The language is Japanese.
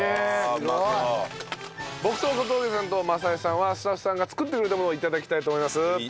僕と小峠さんと政江さんはスタッフさんが作ってくれたものを頂きたいと思います。